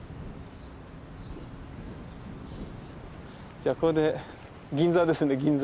じゃあこれで銀座ですね銀座。